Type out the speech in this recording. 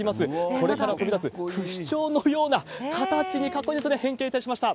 これから飛び出す不死鳥のような形に、かっこいいですね、変形いたしました。